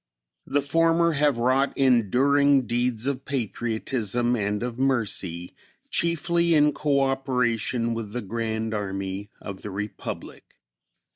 The former have wrought enduring deeds of patriotism and of mercy, chiefly in co operation with the Grand Army of the Republic.